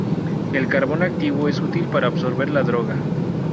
El carbón activado es útil para absorber la droga.